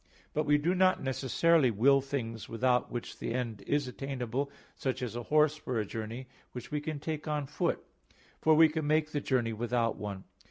But we do not necessarily will things without which the end is attainable, such as a horse for a journey which we can take on foot, for we can make the journey without one.